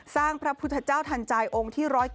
พระพุทธเจ้าทันใจองค์ที่๑๙